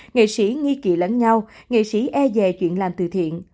nghệ sĩ nghi kỳ lẫn nhau nghệ sĩ e dè chuyện làm từ thiện